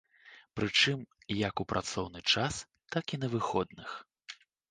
Прычым, як у працоўны час, так і на выходных.